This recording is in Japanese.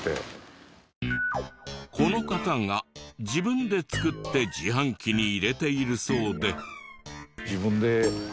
この方が自分で作って自販機に入れているそうで。